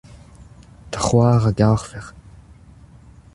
da c'hoar a garfec'h.